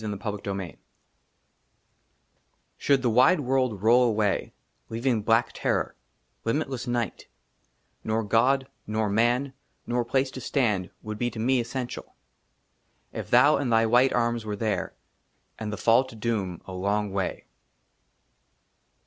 10 •ft I I SHOULD THE WIDE WORLD ROLL AWAY, LEAVING BLACK TERROR, LIMITLESS NIGHT, NOA GOD, NOR MAN, NOR PLACE TO STAND WOULD BE TO ME ESSENTIAL, IF THOU AND THY WHITE ARMS WERE THERE, AND THE FALL TO DOOM A LONG WAY.